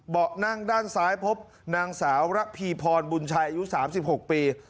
นั่งด้านซ้ายพบนางสาวระพีพรบุญชัยอายุ๓๖ปี